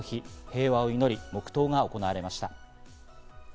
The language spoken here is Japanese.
平和を祈り、黙祷が行われました。